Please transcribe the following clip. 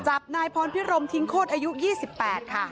จับนายพรพิรมทิ้งโคตรอายุ๒๘ค่ะ